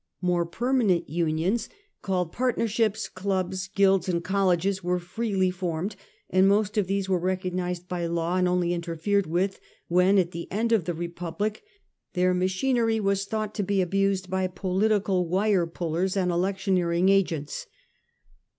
More permanent unions, called 1 8 o The Earlier Empire. partnerships, clubs, guilds, and colleges, weie freely formed, and most of these were recognised by law, and only interfered with when, at the end of the Republic, their machinery was thought to be abused by political wirepullers and electioneering agents.